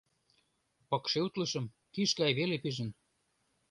Пыкше утлышым, киш гай веле пижын...